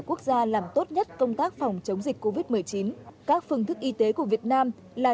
quốc gia làm tốt nhất công tác phòng chống dịch covid một mươi chín các phương thức y tế của việt nam là